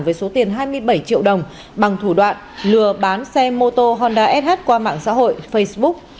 với số tiền hai mươi bảy triệu đồng bằng thủ đoạn lừa bán xe mô tô honda sh qua mạng xã hội facebook